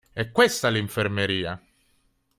È questa l'infermeria!